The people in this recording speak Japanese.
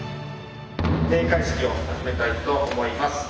閉会式を始めたいと思います。